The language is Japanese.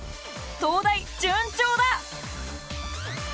東大順調だ！